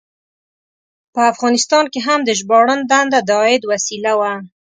په افغانستان کې هم د ژباړن دنده د عاید وسیله وه.